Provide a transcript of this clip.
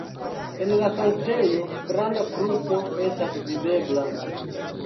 En la sanktejo granda kruco estas videbla.